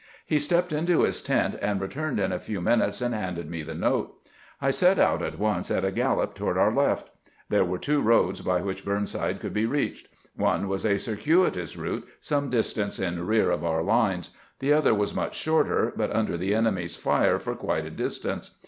He stepped into his tent, and returned in a few minutes and handed me the note. I set out at once at a gallop toward our left. There were two roads by which Burnside could be reached. One was a circuitous route some distance in rear of our lines ; the other was much shorter, but under the enemy's fire for quite a distance.